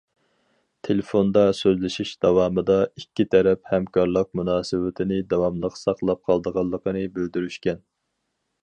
تېلېفوندا سۆزلىشىش داۋامىدا، ئىككى تەرەپ ھەمكارلىق مۇناسىۋىتىنى داۋاملىق ساقلاپ قالىدىغانلىقىنى بىلدۈرۈشكەن.